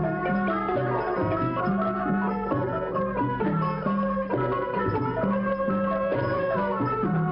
มันมันมันมัน